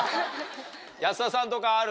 保田さんとかある？